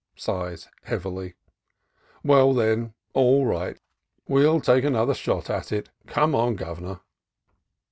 (Sighs heavily.) "Well, then, all right: we'll take another shot at it. Come on, Governor."